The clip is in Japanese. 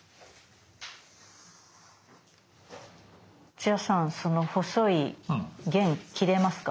土屋さんその細い弦切れますか？